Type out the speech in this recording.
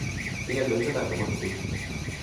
Diğer localar da boş değil.